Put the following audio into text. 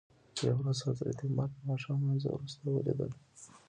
یوه ورځ حضرت عمر دماښام لمانځه وروسته ولید ل.